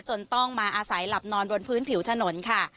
จนต้องมาอาศัยหลับนอนบนพื้นผิวถนนค่ะ